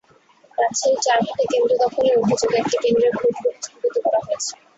রাজশাহীর চারঘাটে কেন্দ্র দখলের অভিযোগে একটি কেন্দ্রের ভোট গ্রহণ স্থগিত করা হয়েছে।